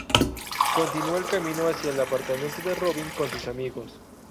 Continúa de camino hacia el apartamento de Robin con sus amigos.